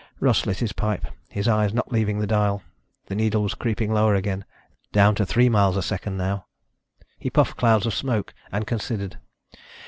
Russ lit his pipe, his eyes not leaving the dial. The needle was creeping lower again. Down to three miles a second now. He puffed clouds of smoke and considered.